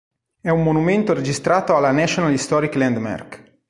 È un monumento registrato alla "National Historic Landmark".